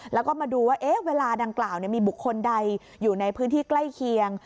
แล้วก็มาดูว่าเวลาดังกล่าวมีบุคคลใดอยู่ในพื้นที่ใกล้เคียง